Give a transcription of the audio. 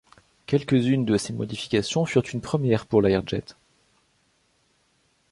Quelques-unes de ces modifications furent une première pour Learjet.